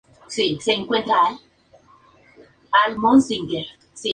Uno de ellos representa a Santiago Apóstol como peregrino y está totalmente decorado.